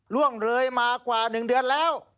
ล่วงเลยมากว่า๑เดือนแล้ว